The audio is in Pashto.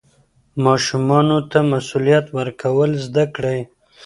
ماشومانو ته مسوولیت ورکول زده کړئ.